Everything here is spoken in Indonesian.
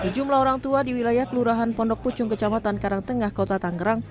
sejumlah orang tua di wilayah kelurahan pondok pucung kecamatan karangtengah kota tangerang